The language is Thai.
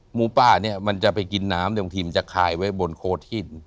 หมูป้าเนี่ยมันจะไปกินน้ำบางทีมันจะคายไว้บนโคที่